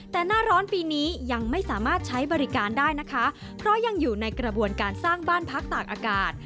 แต่หน้าร้อนปีนี้ยังไม่สามารถใช้บริการได้นะคะเพราะยังอยู่ในกระบวนการสร้างบ้านพักตากอากาศ